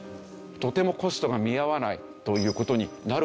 とてもコストが見合わないという事になるわけですよね。